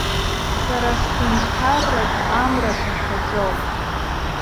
Сара сҳәынҭқарраҿ амра ҭашәаӡом.